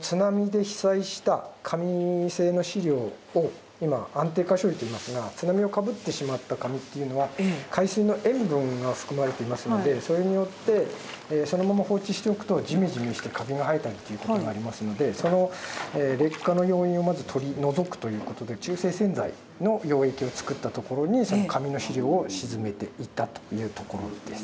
津波で被災した紙製の資料を今安定化処理といいますが津波をかぶってしまった紙というのは海水の塩分が含まれていますのでそれによってそのまま放置しておくとジメジメしてカビが生えたりということがありますのでその劣化の要因をまず取り除くということで中性洗剤の溶液を作った所にその紙の資料を沈めていったというところです。